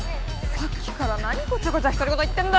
さっきからなにごちゃごちゃひとり言言ってんだ！